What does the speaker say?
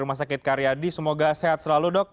rumah sakit karyadi semoga sehat selalu dok